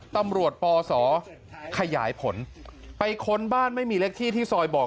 ปศขยายผลไปค้นบ้านไม่มีเลขที่ที่ซอยบอก